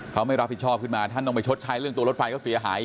เขาไม่รับผิดชอบขึ้นมาท่านต้องไปชดใช้เรื่องตัวรถไฟเขาเสียหาย